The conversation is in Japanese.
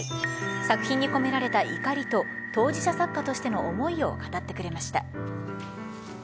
作品に込められた怒りと当事者作家としての思いを語ってくれました。